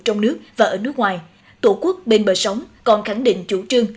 trong nước và ở nước ngoài tổ quốc bên bờ sống còn khẳng định chủ trương